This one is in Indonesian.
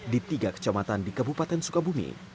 di tiga kecamatan di kabupaten sukabumi